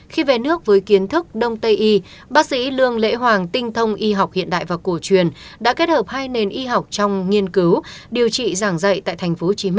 khi về nước với kiến thức đông tây y bác sĩ lương lễ hoàng tinh thông y học hiện đại và cổ truyền đã kết hợp hai nền y học trong nghiên cứu điều trị giảng dạy tại tp hcm